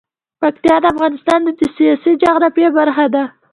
پکتیا د افغانستان د سیاسي جغرافیه برخه ده.